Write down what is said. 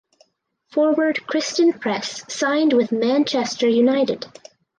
Forward Christen Press signed with Manchester United.